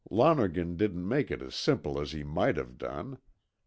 Lonergan didn't make it as simple as he might have done.